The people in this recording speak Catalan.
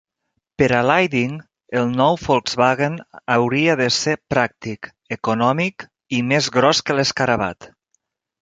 Per a Leiding, el nou Volkswagen hauria de ser pràctic, econòmic i més gros que l'Escarabat.